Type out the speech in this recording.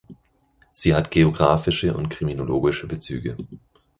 Sie hat geographische und kriminologische Bezüge.